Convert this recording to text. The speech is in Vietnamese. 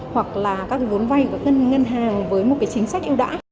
hoặc là các vốn vay và ngân hàng với một chính sách yêu đã